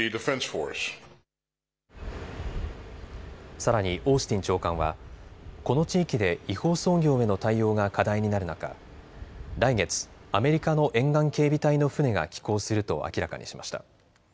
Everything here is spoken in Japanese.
さらにオースティン長官はこの地域で違法操業への対応が課題になる中、来月、アメリカの沿岸警備隊の船が寄港すると明らかにしました。